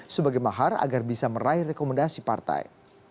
sebagai mahar agar bisa meraih rekomendasi partai